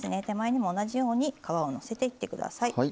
手前にも同じように皮をのせていってください。